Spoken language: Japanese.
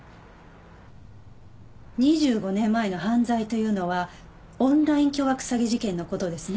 ２５年前の犯罪というのはオンライン巨額詐欺事件の事ですね？